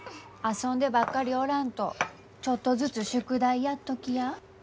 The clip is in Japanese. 遊んでばっかりおらんとちょっとずつ宿題やっときや。